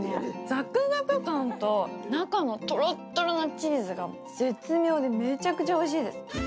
ザクザク感と、中のとろっとろのチーズが絶品で絶妙でめちゃくちゃおいしいです。